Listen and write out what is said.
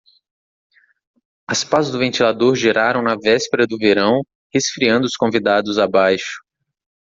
As pás do ventilador giraram na véspera do verão, resfriando os convidados abaixo.